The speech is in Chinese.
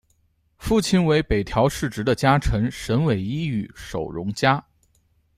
父亲为北条氏直的家臣神尾伊予守荣加。